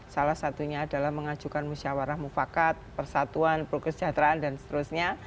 salah satunya adalah mengajukan musyawarah mufakat persatuan prokesejahteraan dan seterusnya